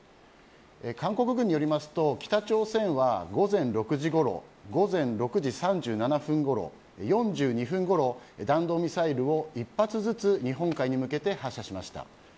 韓国軍によりますと北朝鮮は午前６時ごろ午前６時３７分ごろ、４２分ごろ弾道ミサイルを１発ずつ日本海に向けて発射しました。